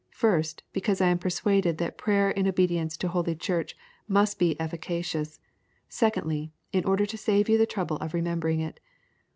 First, because I am persuaded that prayer in obedience to Holy Church must be efficacious; secondly, in order to save you the trouble of remembering it.